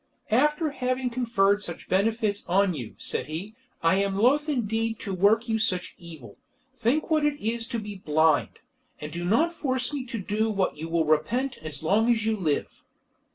"After having conferred such benefits on you," said he, "I am loth indeed to work you such evil. Think what it is to be blind, and do not force me to do what you will repent as long as you live."